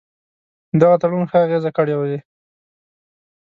دغه تړون ښه اغېزه کړې وي.